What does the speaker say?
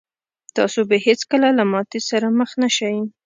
تاسو به هېڅکله له ماتې سره مخ نه شئ.